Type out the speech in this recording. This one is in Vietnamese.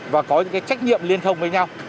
và có những trách nhiệm liên thông với nhau